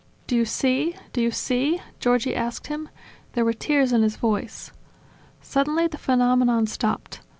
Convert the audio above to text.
"Do you see? Do you see?" Giorgi asked him. There were tears in his voice. Suddenly the phenomenon stopped.